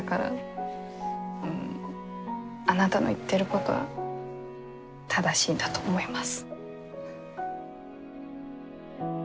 うんあなたの言ってることは正しいんだと思います。